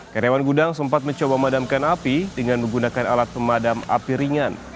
karyawan gudang sempat mencoba memadamkan api dengan menggunakan alat pemadam api ringan